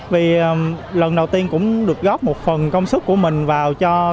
vì lần đầu tiên cũng được góp một phần công sức của mình vào cho